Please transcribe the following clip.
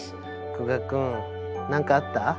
久我君何かあった？